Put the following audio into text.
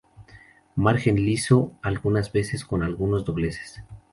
Margen liso, algunas veces con algunos dobleces.